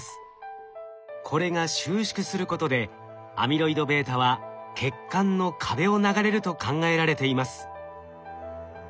これが収縮することでアミロイドβは血管の壁を流れると考えられています。